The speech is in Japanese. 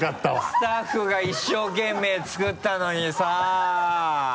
スタッフが一生懸命作ったのにさ